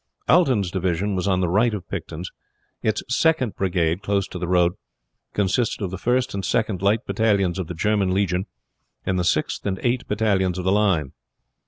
Alten's division was on the right of Picton's. Its second brigade, close to the road, consisted of the First and Second light battalions of the German legion, and the Sixth and Eighth battalions of the line.